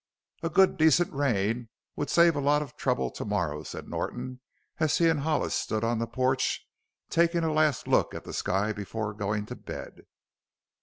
"A good, decent rain would save lots of trouble to morrow," said Norton as he and Hollis stood on the porch, taking a last look at the sky before going to bed.